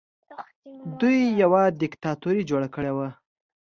دوی یوه دیکتاتوري جوړه کړې وه